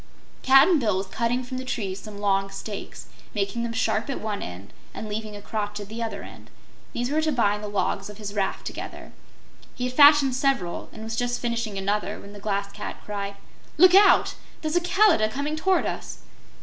Cap'n Bill was cutting from the trees some long stakes, making them sharp at one end and leaving a crotch at the other end. These were to bind the logs of his raft together. He had fashioned several and was just finishing another when the Glass Cat cried: "Look out! There's a Kalidah coming toward us."